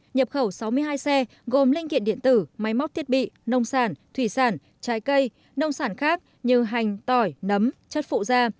nhập khẩu sáu mươi hai xe gồm linh kiện điện tử máy móc thiết bị nông sản thủy sản trái cây nông sản khác như hành tỏi nấm chất phụ da